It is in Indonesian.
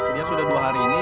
dia sudah dua hari ini